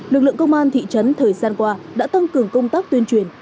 lực lượng công an thị trấn thời gian qua đã tăng cường công tác tuyên truyền